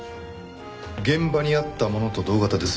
現場にあったものと同型です。